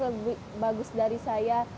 lebih bagus dari saya